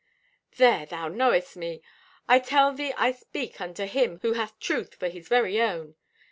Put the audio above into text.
"There, thou knowest me. I tell thee I speak unto him who hath truth for his very own.